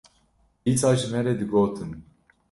dîsa ji me re digotin